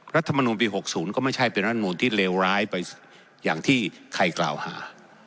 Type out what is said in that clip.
รัฐมนูลปี๖๐ก็ไม่ใช่เป็นรัฐมนูลที่เลวร้ายไปอย่างที่ใครกล่าวหา